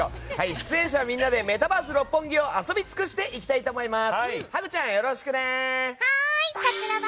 出演者みんなでメタバース六本木を遊びつくしていきたいと思います。